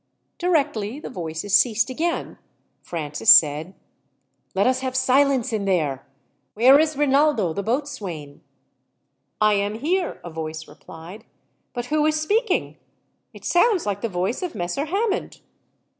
Directly the voices ceased again, Francis said: "Let us have silence in there. Where is Rinaldo, the boatswain?" "I am here," a voice replied; "but who is speaking? It sounds like the voice of Messer Hammond."